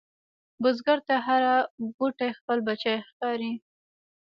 بزګر ته هره بوټۍ خپل بچی ښکاري